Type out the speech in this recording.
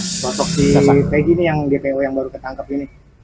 sosok si peggy ini yang dpo yang baru ketangkep ini